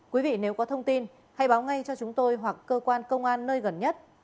quý vị nếu có thông tin hãy báo ngay cho chúng tôi hoặc cơ quan công an nơi gần nhất